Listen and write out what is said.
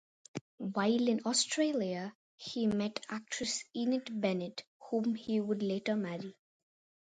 While in Australia, he met actress Enid Bennett, whom he would later marry.